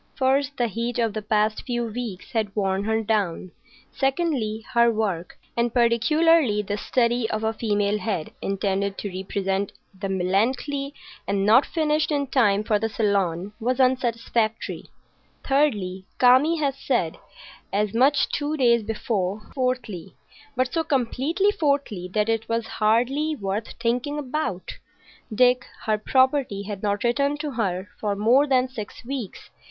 First, the heat of the past few weeks had worn her down; secondly, her work, and particularly the study of a female head intended to represent the Melancolia and not finished in time for the Salon, was unsatisfactory; thirdly, Kami had said as much two days before; fourthly,—but so completely fourthly that it was hardly worth thinking about,—Dick, her property, had not written to her for more than six weeks.